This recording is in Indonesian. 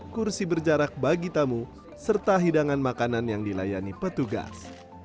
kursi berjarak bagi tamu serta hidangan makanan yang dilayani petugas